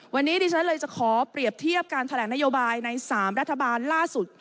วันนี้ดิฉันเลยจะขอเปรียบเทียบการแถลงนโยบายใน๓รัฐบาลล่าสุด